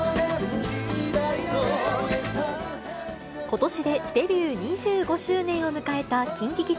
ことしでデビュー２５周年を迎えたＫｉｎＫｉＫｉｄｓ。